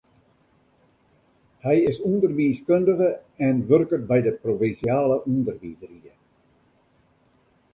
Hy is ûnderwiiskundige en wurket by de provinsjale ûnderwiisrie.